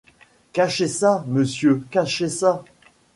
Cachez ça, monsieur, cachez ça !